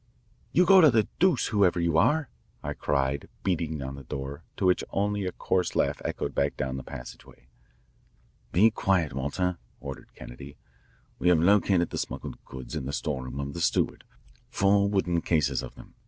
"You go to the deuce, whoever you are," I cried, beating on the door, to which only a coarse laugh echoed back down the passageway. "Be quiet, Walter," ordered Kennedy. "We have located the smuggled goods in the storeroom of the steward, four wooden cases of them.